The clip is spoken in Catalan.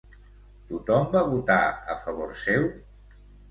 Tothom va votar a favor seu?